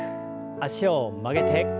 脚を曲げて。